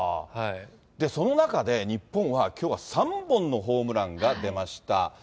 その中で、日本はきょうは３本のホームランが出ました。